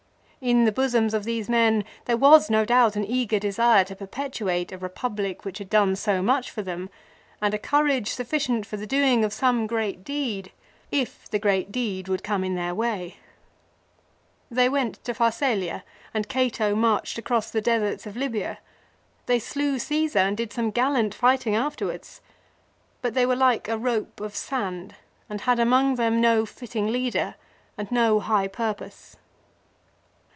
In the bosoms of these men there was no doubt an eager desire to perpetuate a Eepublic which had done so much for them, and a courage sufficient for the doing of some great deed, if the great deed would come in their way. They went to Pharsalia and Cato marched across the deserts of Libya. They slew Caesar, and did some gallant righting afterwards. But they were like a rope of sand and had among them no fitting leader and no high purpose.